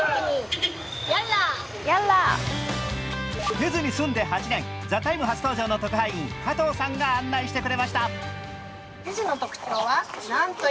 フェズに住んで８年、「ＴＨＥＴＩＭＥ，」初登場の特派員、加藤さんが案内してくれました。